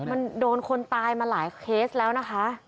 มันโดนคนตายมาหลายเคสแล้วนะคะ